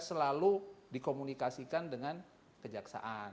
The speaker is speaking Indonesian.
selalu dikomunikasikan dengan kejaksaan